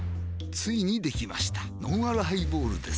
ついにできましたのんあるハイボールです